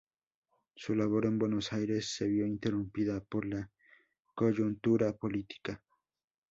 Su labor en Buenos Aires se vio interrumpida por la coyuntura política.